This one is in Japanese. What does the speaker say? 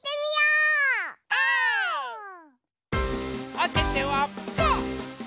おててはパー！